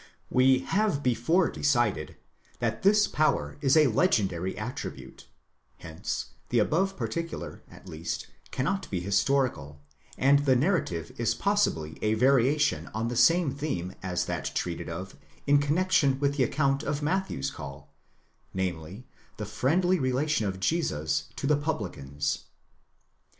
We have before decided that this power is a legendary attribute ; hence the above particular, at least, cannot be historical, and the narrative is possibly a variation on the same theme as that treated of in connexion with the account of Matthew's call, namely, the fiendly relation of Jesus to the publicans.